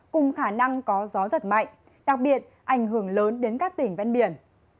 cùng khả năng có gió giật mạnh đặc biệt ảnh hưởng lớn đến các tỉnh ven biển